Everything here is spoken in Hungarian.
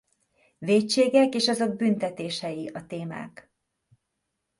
Vétségek és azok büntetései a témák.